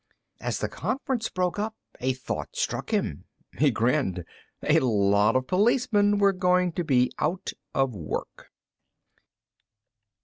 As the conference broke up, a thought struck him. He grinned. A lot of policemen were going to be out of work!